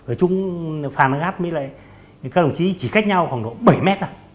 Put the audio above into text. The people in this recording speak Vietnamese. ở chung phanagat với lại các đồng chí chỉ cách nhau khoảng độ bảy m